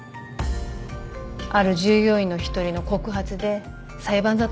ある従業員の１人の告発で裁判沙汰になった。